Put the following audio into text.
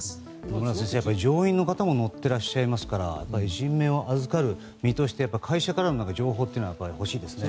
野村先生、乗員の方も乗っていらっしゃいますから人命を預かる身として会社からの情報というのは欲しいですね。